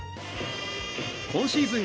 今シーズン